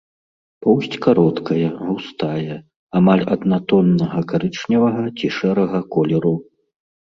Поўсць кароткая, густая, амаль аднатоннага карычневага ці шэрага колеру.